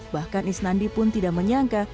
bahkan isnandi pun tidak menyangka